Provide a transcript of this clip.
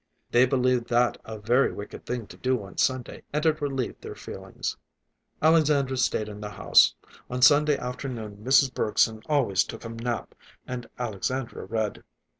They believed that a very wicked thing to do on Sunday, and it relieved their feelings. Alexandra stayed in the house. On Sunday afternoon Mrs. Bergson always took a nap, and Alexandra read.